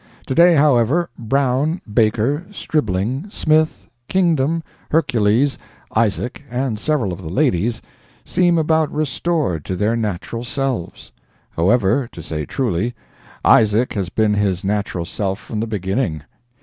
Today, however, Brown, Baker, Stribling, Smith, Kingdom, Hercules, Isaac, and several of the ladies, seem about restored to their natural selves. However, to say truly, Isaac has been his natural self from the beginning.